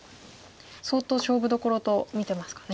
相当勝負どころと見てますかね。